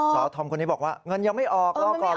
อธอมคนนี้บอกว่าเงินยังไม่ออกรอก่อน